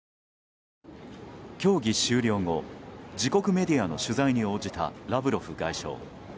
協議終了後自国メディアの取材に応じたラブロフ外相。